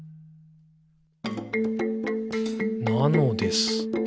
「なのです。」